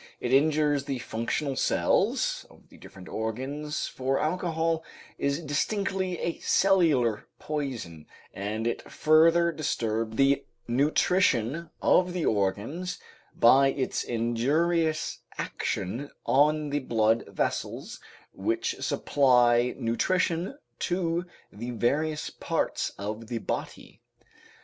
It injures the functional cells of the different organs for alcohol is distinctly a cellular poison, and it further disturbs the nutrition of the organs by its injurious action on the blood vessels which supply nutrition to the various parts of the body.